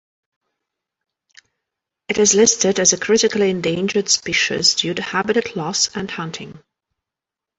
It is listed as a critically endangered species due to habitat loss and hunting.